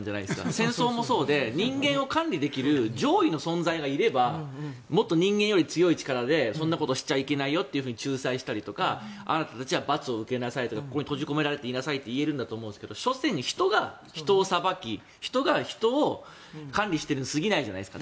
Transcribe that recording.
戦争もそうで人間を管理できる上位の存在がいればもっと人間より強い力でそんなことしちゃいけないよって仲裁したりとか、あなたたちは罰を受けなさいとかここに閉じ込められていなさいとか言えると思うんですが人が人を裁き人が人を管理しているに過ぎないじゃないですか。